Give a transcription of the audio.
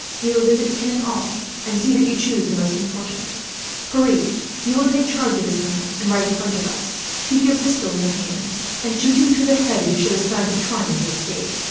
We will visit ten in all, and see that you choose the most important. "Pierre, you will take charge of this man, and ride in front of us. Keep your pistol in your hand, and shoot him through the head, if he shows signs of trying to escape.